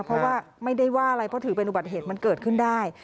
เพราะว่าไม่ได้ว่าอะไรเพราะถือเป็นอุบัติเหตุมันเกิดขึ้นได้